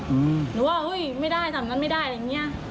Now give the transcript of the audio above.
หรือว่าไม่ได้สำนักไม่ได้อย่างนี้